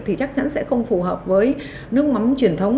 thì chắc chắn sẽ không phù hợp với nước mắm truyền thống